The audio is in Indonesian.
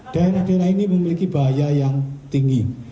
daerah daerah ini memiliki bahaya yang tinggi